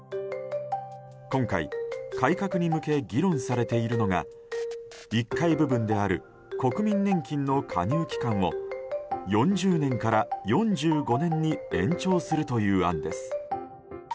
今回、改革に向け議論されているのが１階部分である国民年金の加入期間を４０年から４５年に延長するという案です。